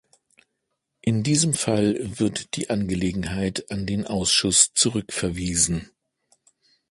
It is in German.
In diesem Fall wird die Angelegenheit an den Ausschuss zurückverwiesen.